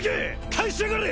返しやがれ！